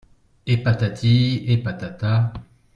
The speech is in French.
Et patati et patata.